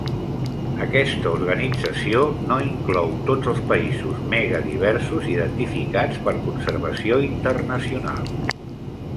Aquesta organització no inclou tots els països megadiversos identificats per Conservació Internacional.